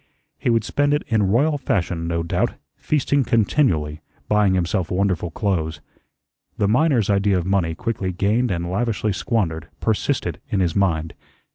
He would spend it in royal fashion, no doubt, feasting continually, buying himself wonderful clothes. The miner's idea of money quickly gained and lavishly squandered, persisted in his mind.